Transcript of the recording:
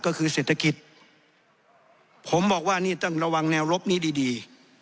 ก็คือเศรษฐกิจผมบอกว่านี่ต้องระวังแนวรบนี้ดีดี